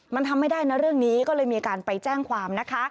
มันทำไม่ได้นะเรื่องนี้ก็เลยมีการไปแจ้งความนะคะ